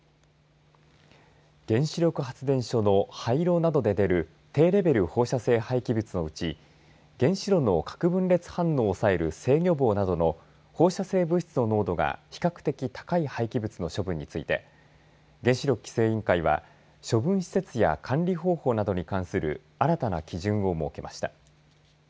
原子力発電所の廃炉などで出る低レベル放射能廃棄物のうち原子炉の核分裂反応を抑える制御棒などの放射性物質の濃度が比較的高い廃棄物の処分について原子力規制委員会は処分施設や管理方法などに関する新たな基準を設けました。